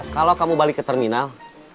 kalau kamu balik ke terminal